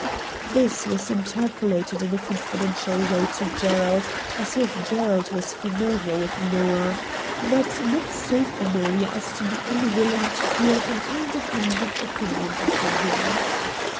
This was interpolated in a confidential way to Gerald, as if Gerald was familiar with Xoah, but not so familiar as to be unwilling to hear an independent opinion upon him.